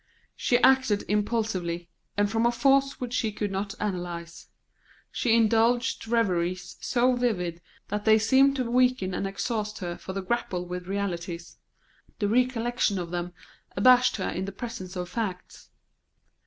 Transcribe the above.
She acted impulsively, and from a force which she could not analyse. She indulged reveries so vivid that they seemed to weaken and exhaust her for the grapple with realities; the recollection of them abashed her in the presence of facts.